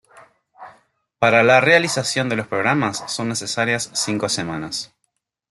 Para la realización de los programas son necesarias cinco semanas.